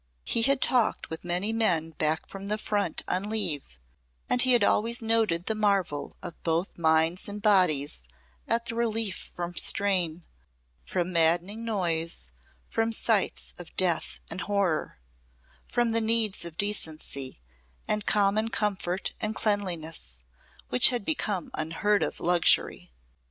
He had talked with many men back from the Front on leave and he had always noted the marvel of both minds and bodies at the relief from strain from maddening noise, from sights of death and horror, from the needs of decency and common comfort and cleanliness which had become unheard of luxury.